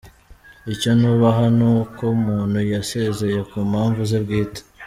Icyo nubaha nuko umuntu yasezeye ku mpamvu ze bwite.